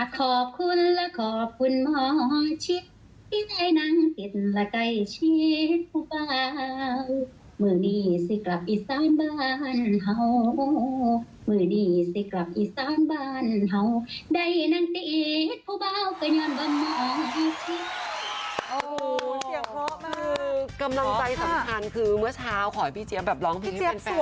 กำลังใจสำคัญคือเมื่อเช้าขอให้พี่เจี๊ยบร้องเพลงให้เป็นแฟนหน่อย